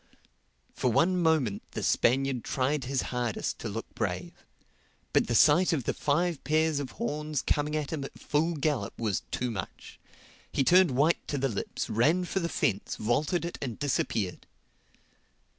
For one moment the Spaniard tried his hardest to look brave. But the sight of the five pairs of horns coming at him at full gallop was too much. He turned white to the lips, ran for the fence, vaulted it and disappeared.